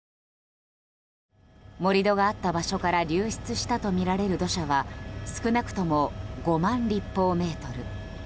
盛り土があった場所から流出したとみられる土砂は少なくとも５万立方メートル。